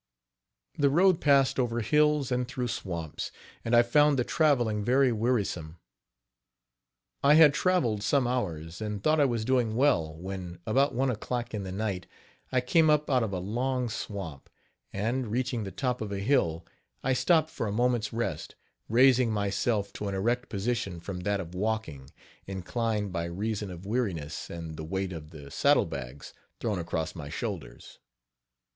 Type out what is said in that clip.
The road passed over hills and through swamps, and I found the traveling very wearisome. I had travelled some hours, and thought I was doing well; when, about one o'clock in the night, I came up out of a long swamp, and, reaching the top of a hill, I stopped for a moment's rest, raising myself to an erect position from that of walking, inclined by reason of weariness and the weight of the saddle bags thrown across my shoulders.